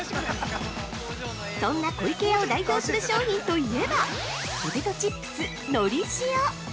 そんな湖池屋を代表する商品と言えば、ポテトチップス「のり塩」！